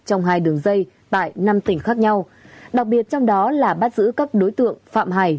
trong hai đường dây tại năm tỉnh khác nhau đặc biệt trong đó là bắt giữ các đối tượng phạm hải